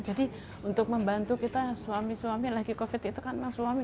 jadi untuk membantu kita suami suami lagi covid itu kan memang suami